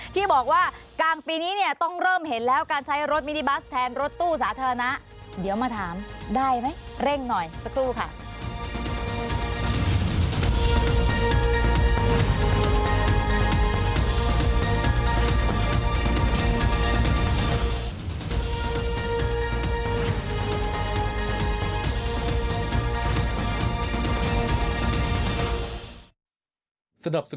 ที่บอกว่ากลางปีนี้เนี่ยต้องเริ่มเห็นแล้วการใช้รถมินิบัสแทนรถตู้สาธารณะ